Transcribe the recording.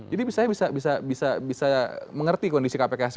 jadi saya bisa mengerti kondisi kpk sekarang